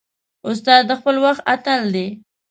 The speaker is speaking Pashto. استاد د خپل وخت اتل دی.